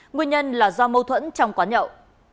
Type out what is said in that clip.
nguyên nhân là do mâu thuẫn trong quán nhậu